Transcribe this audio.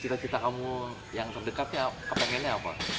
cita cita kamu yang terdekatnya ke pengennya apa